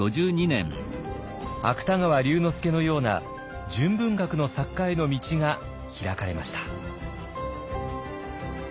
芥川龍之介のような純文学の作家への道が開かれました。